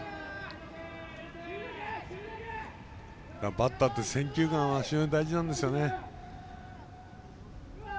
バッターって選球眼って非常に大事なんですよね。